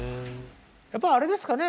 やっぱりあれですかね。